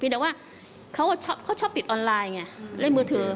แต่ว่าเขาชอบติดออนไลน์ไงเล่นมือถือ